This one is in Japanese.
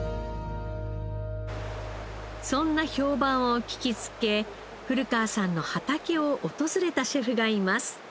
そんな評判を聞きつけ古川さんの畑を訪れたシェフがいます。